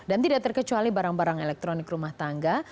dan tidak terkecuali barang barang elektronik rumah tangga